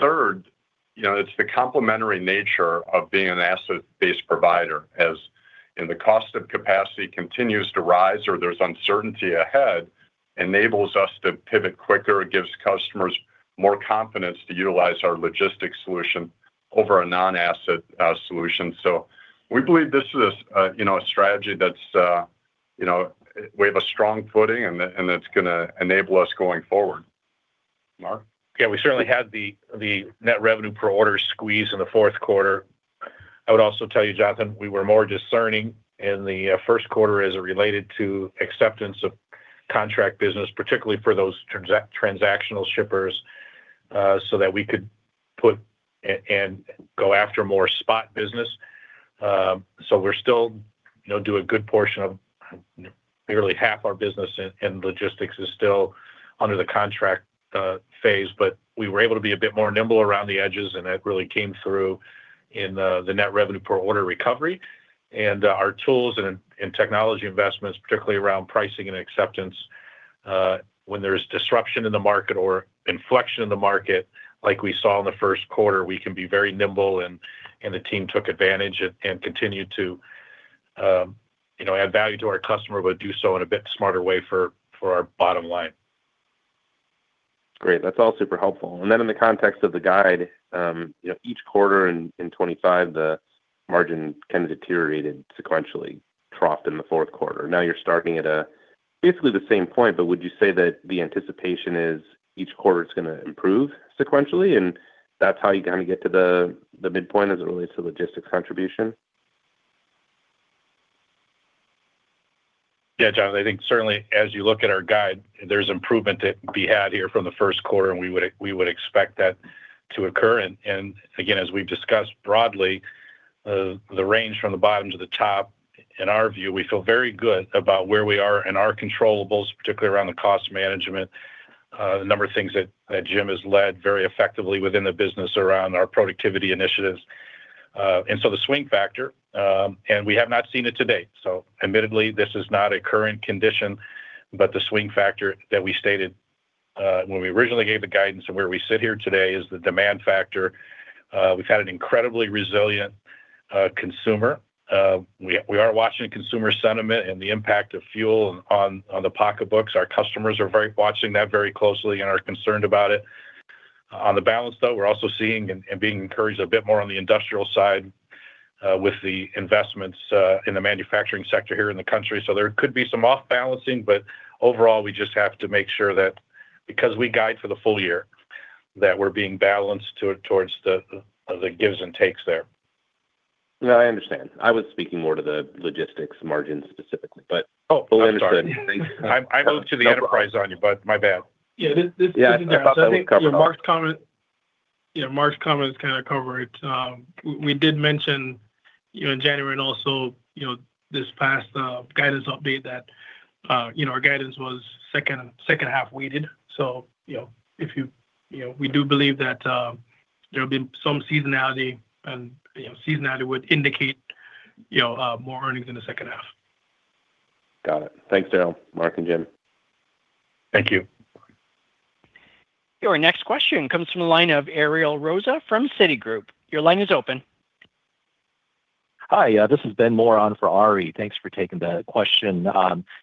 [SPEAKER 4] Third, you know, it's the complementary nature of being an asset-based provider. The cost of capacity continues to rise or there's uncertainty ahead, enables us to pivot quicker. It gives customers more confidence to utilize our Logistics solution over a non-asset solution. We believe this is a, you know, a strategy that's, you know, we have a strong footing and that's gonna enable us going forward. Mark?
[SPEAKER 3] Yeah. We certainly had the net revenue per order squeeze in the fourth quarter. I would also tell you, Jonathan, we were more discerning in the first quarter as it related to acceptance of contract business, particularly for those transactional shippers, so that we could go after more spot business. We're still, you know, do a good portion of nearly half our business in Logistics is still under the contract phase, but we were able to be a bit more nimble around the edges, and that really came through in the net revenue per order recovery. Our tools and technology investments, particularly around pricing and acceptance, when there's disruption in the market or inflection in the market like we saw in the first quarter, we can be very nimble and the team took advantage and continued to, you know, add value to our customer, but do so in a bit smarter way for our bottom line.
[SPEAKER 12] Great. That's all super helpful. In the context of the guide, you know, each quarter in 2025, the margin kind of deteriorated sequentially, dropped in the fourth quarter. Now you're starting at a basically the same point, but would you say that the anticipation is each quarter it's gonna improve sequentially, and that's how you kinda get to the midpoint as it relates to Logistics contribution?
[SPEAKER 3] Yeah, Jonathan, I think certainly as you look at our guide, there's improvement to be had here from the first quarter, we would expect that to occur. Again, as we've discussed broadly, the range from the bottom to the top, in our view, we feel very good about where we are and our controllables, particularly around the cost management. The number of things that Jim has led very effectively within the business around our productivity initiatives. The swing factor, and we have not seen it to date. Admittedly, this is not a current condition, but the swing factor that we stated, when we originally gave the guidance and where we sit here today is the demand factor. We've had an incredibly resilient consumer. We are watching consumer sentiment and the impact of fuel on the pocketbooks. Our customers are watching that very closely and are concerned about it. On the balance though, we're also seeing and being encouraged a bit more on the industrial side, with the investments, in the manufacturing sector here in the country. There could be some off balancing, but overall, we just have to make sure that because we guide for the full year, that we're being balanced towards the gives and takes there.
[SPEAKER 12] No, I understand. I was speaking more to the Logistics margin specifically.
[SPEAKER 3] Oh, I'm sorry.
[SPEAKER 12] fully understood. Thanks.
[SPEAKER 3] I moved to the enterprise on you, but my bad.
[SPEAKER 5] Yeah.
[SPEAKER 12] Yeah. I thought that would cover it all....
[SPEAKER 5] I think Mark's comment, yeah, Mark's comment is kinda covered. We did mention, you know, in January and also, you know, this past guidance update that, you know, our guidance was second half weighted. If you know, we do believe that there'll be some seasonality and, you know, seasonality would indicate, you know, more earnings in the second half.
[SPEAKER 12] Got it. Thanks, Darrell, Mark, and Jim.
[SPEAKER 3] Thank you.
[SPEAKER 1] Your next question comes from the line of Ari Rosa from Citigroup. Your line is open.
[SPEAKER 13] Hi. This is Ben Moran for Ari. Thanks for taking the question.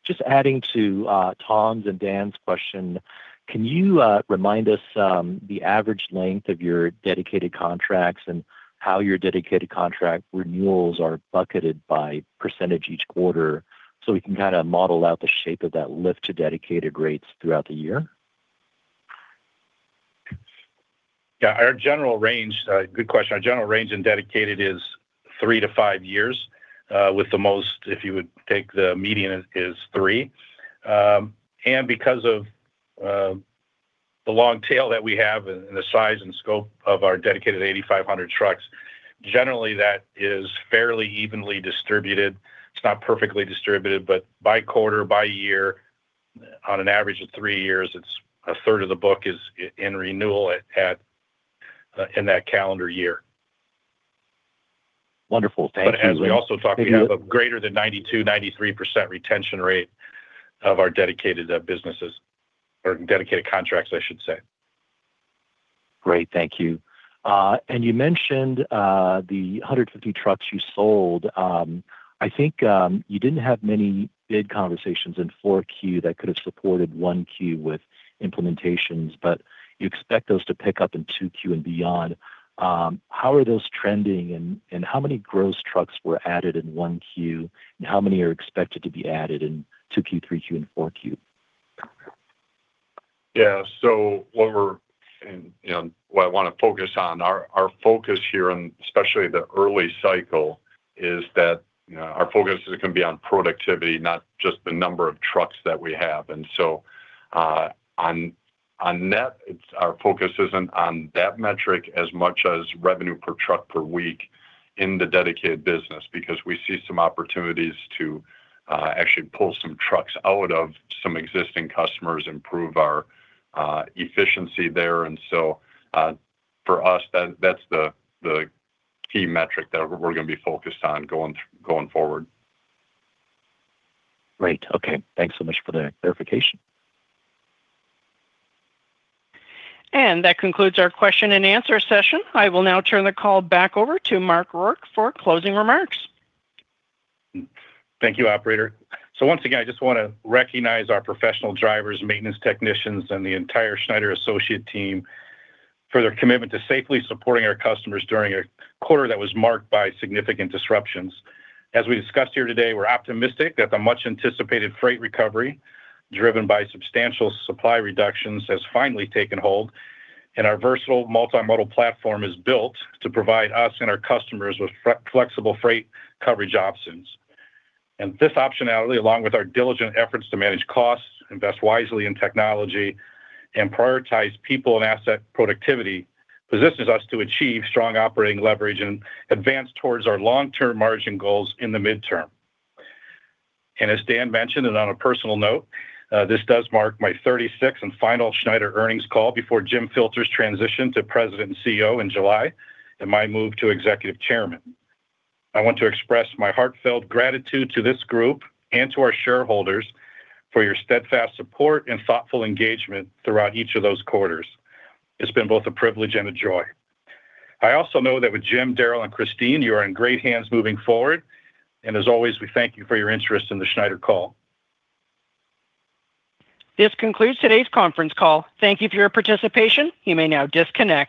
[SPEAKER 13] Just adding to Tom's and Dan's question, can you remind us the average length of your Dedicated contracts and how your Dedicated contract renewals are bucketed by % each quarter so we can kinda model out the shape of that lift to Dedicated rates throughout the year?
[SPEAKER 3] Yeah. Our general range, good question. Our general range in Dedicated is 3 to 5 years, with the most, if you would take the median is 3. Because of the long tail that we have and the size and scope of our Dedicated 8,500 trucks, generally that is fairly evenly distributed. It's not perfectly distributed, but by quarter, by year, on an average of 3 years, it's a third of the book is in renewal in that calendar year.
[SPEAKER 13] Wonderful. Thank you.
[SPEAKER 3] As we also talked, we have a greater than 92%-93% retention rate of our Dedicated businesses or Dedicated contracts, I should say.
[SPEAKER 13] Great. Thank you. You mentioned the 150 trucks you sold. I think you didn't have many bid conversations in 4Q that could have supported 1Q with implementations, you expect those to pick up in 2Q and beyond. How are those trending, how many gross trucks were added in 1Q, how many are expected to be added in 2Q, 3Q, and 4Q?
[SPEAKER 4] Yeah. What I want to focus on, and our focus here on especially the early cycle is that our focus is going to be on productivity, not just the number of trucks that we have. On net, our focus isn't on that metric as much as revenue per truck per week in the Dedicated business because we see some opportunities to actually pull some trucks out of some existing customers, improve our efficiency there. For us, that's the key metric that we're going to be focused on going forward.
[SPEAKER 13] Great. Okay. Thanks so much for that clarification.
[SPEAKER 1] That concludes our question and answer session. I will now turn the call back over to Mark Rourke for closing remarks.
[SPEAKER 3] Thank you, operator. Once again, I just want to recognize our professional drivers, maintenance technicians, and the entire Schneider associate team for their commitment to safely supporting our customers during a quarter that was marked by significant disruptions. As we discussed here today, we're optimistic that the much anticipated freight recovery driven by substantial supply reductions has finally taken hold, and our versatile multimodal platform is built to provide us and our customers with flexible freight coverage options. This optionality, along with our diligent efforts to manage costs, invest wisely in technology, and prioritize people and asset productivity, positions us to achieve strong operating leverage and advance towards our long-term margin goals in the midterm. As Dan mentioned, and on a personal note, this does mark my 36th and final Schneider earnings call before Jim Filter's transition to President and CEO in July and my move to Executive Chairman. I want to express my heartfelt gratitude to this group and to our shareholders for your steadfast support and thoughtful engagement throughout each of those quarters. It's been both a privilege and a joy. I also know that with Jim, Darrell, and Christyne, you are in great hands moving forward. As always, we thank you for your interest in the Schneider call.
[SPEAKER 1] This concludes today's conference call. Thank you for your participation. You may now disconnect.